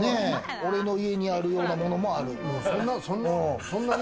俺の家にあるようなものもある。